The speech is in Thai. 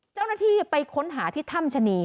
เจ้าหน้าที่ไปค้นหาที่ถ้ำชะนี